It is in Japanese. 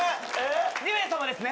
２名さまですね。